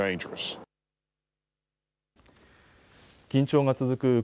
緊張が続く